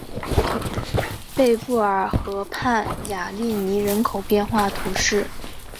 贝布尔河畔雅利尼人口变化图示